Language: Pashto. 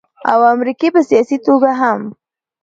او امريکې په سياسي توګه هم